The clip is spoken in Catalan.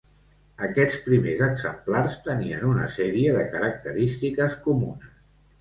Aquests primers exemplars tenien una sèrie de característiques comunes.